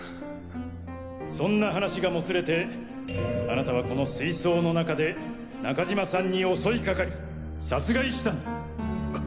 そんな話がもつれてあなたはこの水槽の中で中島さんに襲い掛かり殺害したんだ。